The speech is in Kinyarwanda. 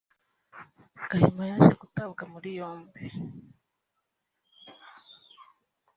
Gahima yaje gutabwa muri yombi